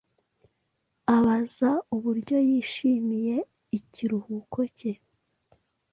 abaza uburyo yishimiye ikiruhuko cye